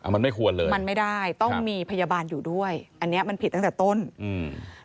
มันไม่ควรเลยมันไม่ได้ต้องมีพยาบาลอยู่ด้วยอันเนี้ยมันผิดตั้งแต่ต้นอืม